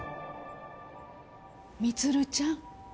充ちゃん。